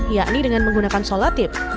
yakni dengan menggunakan selotip